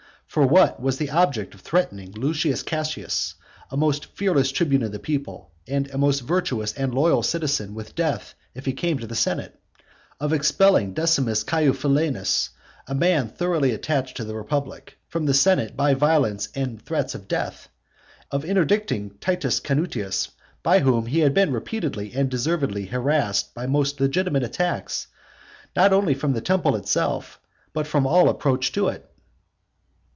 For what was the object of threatening Lucius Cassius, a most fearless tribune of the people, and a most virtuous and loyal citizen, with death if he came to the Senate? of expelling Decimus Caifulenus, a man thoroughly attached to the republic, from the senate by violence and threats of death? of interdicting Titus Canutius, by whom he had been repeatedly and deservedly harassed by most legitimate attacks, not only from the temple itself but from all approach to it?